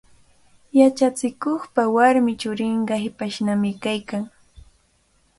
Yachachikuqpa warmi churinqa hipashnami kaykan.